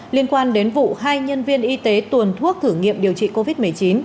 liên quan đến vụ hai nhân viên y tế tuần thuốc thử nghiệm điều trị covid một mươi chín